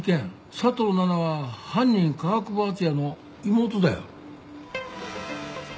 佐藤奈々は犯人川久保敦也の妹だよ。